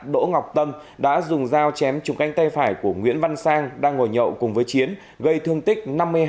đỗ ngọc tâm đã dùng dao chém trùng canh tay phải của nguyễn văn sang đang ngồi nhậu cùng với chiến gây thương tích năm mươi hai